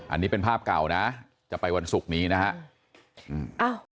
อันนี้เป็นภาพเก่านะจะไปวันศุกร์นี้นะฮะ